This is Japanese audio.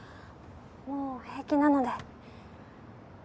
もう平気なので。